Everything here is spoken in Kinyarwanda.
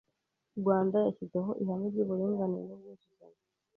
Rwanda yashyizeho ihame ry’uburinganire n’ubwuzuzanye